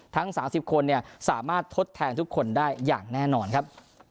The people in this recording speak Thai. ทั้ง๓๐คนสามารถทดแทนทุกคนได้อย่างแน่นอนครับ